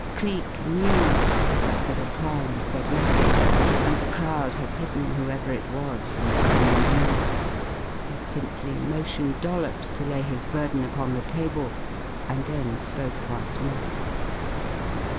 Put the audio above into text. Cleek knew but for the time said nothing and the crowd had hidden whoever it was from the common view. He simply motioned Dollops to lay his burden upon the table, and then spoke once more.